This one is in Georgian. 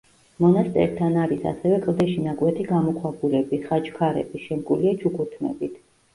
მონასტერთან არის ასევე კლდეში ნაკვეთი გამოქვაბულები, ხაჩქარები, შემკულია ჩუქურთმებით.